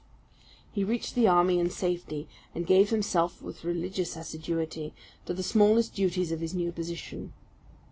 He reached the army in safety, and gave himself, with religious assiduity, to the smallest duties of his new position.